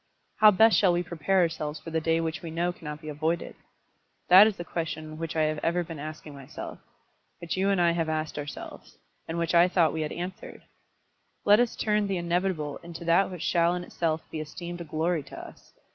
How best shall we prepare ourselves for the day which we know cannot be avoided? That is the question which I have ever been asking myself, which you and I have asked ourselves, and which I thought we had answered. Let us turn the inevitable into that which shall in itself be esteemed a glory to us.